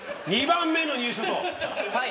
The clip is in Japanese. ２番目の入所と。